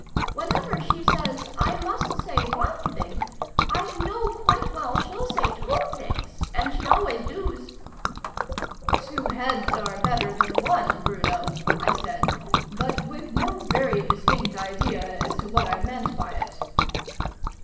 Whenever she says ' I must say one thing,' I know quite well she'll say two things ! And she always doos." " Two heads are better than one, Bruno," I said, but with no very distinct idea as to what I meant by it.